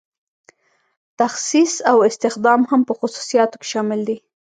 تخصیص او استخدام هم په خصوصیاتو کې شامل دي.